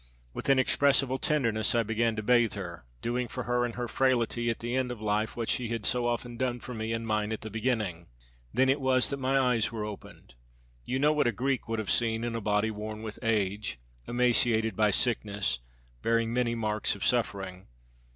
With inexpressible tenderness I began to bathe her, doing for her in her frailty at the end of life what she had so often done for me in mine at the beginning. Then it was that my eyes were opened. You know what a Greek would have seen in a body worn with age, emaciated by sickness, bearing many marks of suffering.